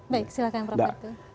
baik silahkan prof herku